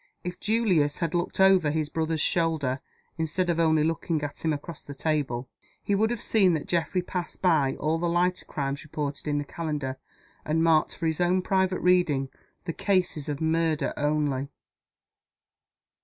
If Julius had looked over his brother's shoulder, instead of only looking at him across the table, he would have seen that Geoffrey passed by all the lighter crimes reported in the Calendar, and marked for his own private reading the cases of murder only.